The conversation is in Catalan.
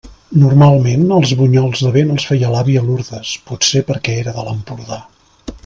Normalment els bunyols de vent els feia l'àvia Lourdes, potser perquè era de l'Empordà.